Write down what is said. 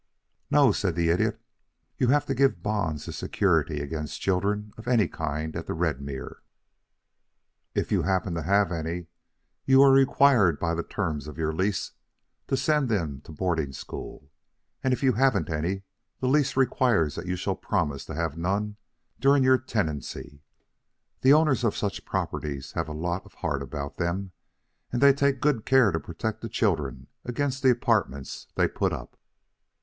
"No," said the Idiot. "You have to give bonds as security against children of any kind at the Redmere. If you happen to have any, you are required by the terms of your lease to send them to boarding school; and if you haven't any, the lease requires that you shall promise to have none during your tenancy. The owners of such properties have a lot of heart about them, and they take good care to protect the children against the apartments they put up."